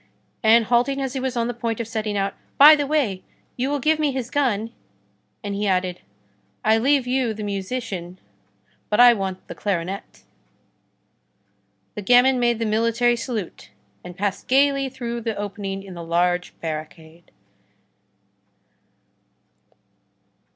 And halting as he was on the point of setting out:— "By the way, you will give me his gun!" and he added: "I leave you the musician, but I want the clarinet." The gamin made the military salute and passed gayly through the opening in the large barricade.